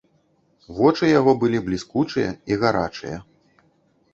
Вочы яго былі бліскучыя і гарачыя.